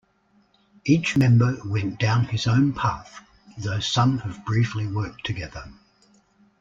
Each member went down his own path, though some have briefly worked together.